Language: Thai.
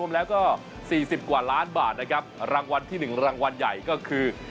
แล้วก็๔๐กว่าล้านบาทนะครับรางวัลที่๑รางวัลใหญ่ก็คือ